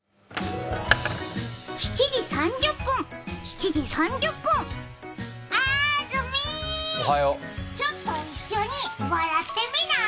７時３０分、７時３０分、あーずみー、ちょっと一緒に笑ってみない？